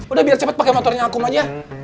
udah biar cepet pakai motornya akum aja